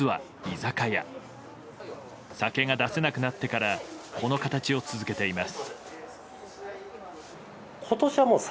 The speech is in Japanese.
酒が出せなくなってからこの形を続けています。